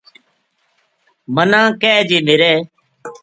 منا کہہ جی میرے